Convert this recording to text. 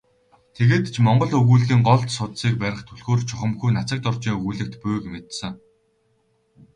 Тэгээд ч монгол өгүүллэгийн гол судсыг барих түлхүүр чухамхүү Нацагдоржийн өгүүллэгт буйг мэдсэн.